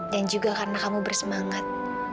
dan juga karena kamu bersemangat